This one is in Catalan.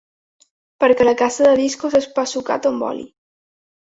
Perquè la casa de discos és pa sucat amb oli.